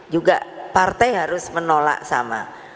juga partai harus menolak sama